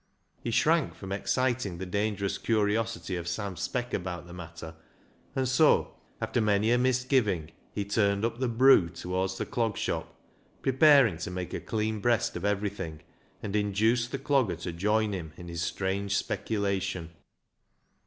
He shrank from exciting the dangerous curiosity of Sam Speck about the matter, and so, after many a misgiving, he turned up the "broo" toward the Clog Shop, preparing to make a clean breast of everything, and induce the Clogger to join him in his strange speculation.